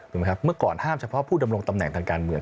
ไหมครับเมื่อก่อนห้ามเฉพาะผู้ดำรงตำแหน่งทางการเมือง